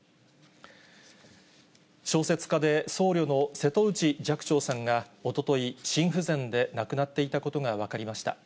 小説家で僧侶の瀬戸内寂聴さんが、おととい、心不全で亡くなっていたことが分かりました。